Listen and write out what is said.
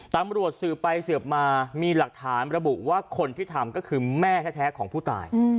ตำรวจสืบไปสืบมามีหลักฐานระบุว่าคนที่ทำก็คือแม่แท้ของผู้ตาย